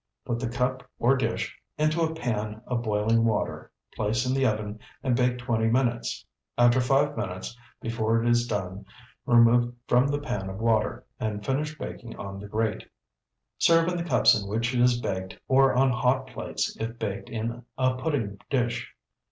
Put the cup or dish into a pan of boiling water, place in the oven, and bake twenty minutes. About five minutes before it is done, remove from the pan of water, and finish baking on the grate. Serve in the cups in which it is baked or on hot plates if baked in a pudding dish.